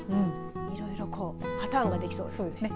いろいろこうパターンができそうですね。